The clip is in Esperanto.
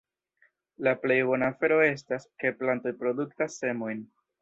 La plej bona afero estas, ke plantoj produktas semojn.